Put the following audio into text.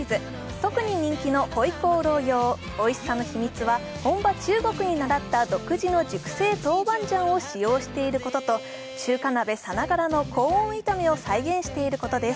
特に人気の回鍋肉用、おいしさの秘密は、本場・中国に倣った独自の熟成豆板醤を使用していることと、中華鍋さながらの高温炒めを再現していることです。